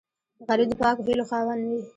غریب د پاکو هیلو خاوند وي